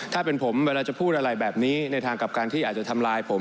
ถ้าเป็นผมเวลาจะพูดอะไรแบบนี้ในทางกับการที่อาจจะทำลายผม